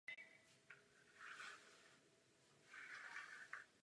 Tento způsob hospodaření dokonale využívá půdní a vzdušný prostor.